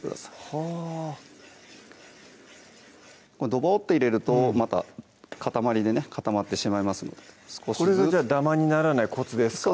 はぁドボッと入れるとまた塊でね固まってしまいますのでこれがダマにならないコツですか？